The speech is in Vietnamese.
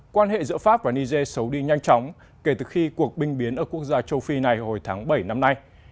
quan hệ giữa pháp và niger xấu đi nhanh chóng kể từ khi cuộc binh biến ở quốc gia châu phi này hồi tháng bảy năm nay